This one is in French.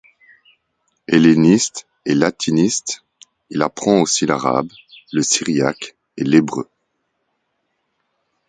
Helléniste et latiniste, il apprend aussi l'arabe, le syriaque et l'hébreu.